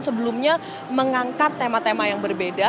sebelumnya mengangkat tema tema yang berbeda